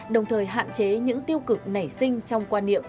đồng thời hạn chế những tiêu cực nảy sinh trong quan niệm